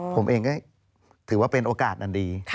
ผมเองก็ถือว่าเป็นโอกาสอันดี